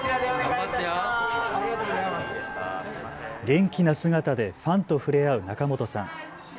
元気な姿でファンと触れ合う仲本さん。